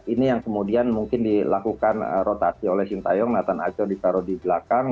ini yang kemudian mungkin dilakukan rotasi oleh sintayong nathan aco ditaruh di belakang